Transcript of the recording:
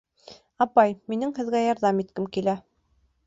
— Апай, минең һеҙгә ярҙам иткем килә.